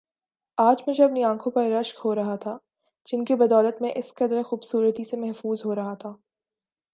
آج مجھے اپنی انکھوں پر رشک ہو رہا تھا جن کی بدولت میں اس قدر خوبصورتی سے محظوظ ہو رہا تھا